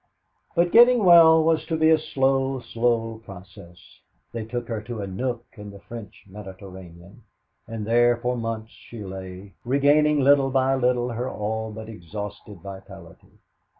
But getting well was to be a slow, slow process. They took her to a nook in the French Mediterranean, and there for months she lay, regaining little by little her all but exhausted vitality.